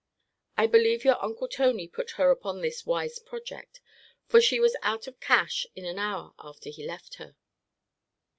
I believe your uncle Tony put her upon this wise project; for she was out of cash in an hour after he left her.